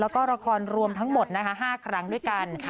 แล้วก็ละครรวมทั้งหมด๕ครั้งด้วยกัน